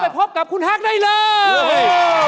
ขอขอบคุณฮักได้เลย